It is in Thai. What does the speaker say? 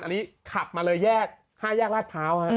อันนี้ขับมาเลยแยก๕แยกลาดพร้าว